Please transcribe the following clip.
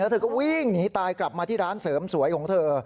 เธอก็วิ่งหนีตายกลับมาที่ร้านเสริมสวยของเธอ